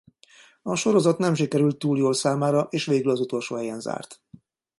A sorozat nem sikerült túl jól számára és végül az utolsó helyen zárt.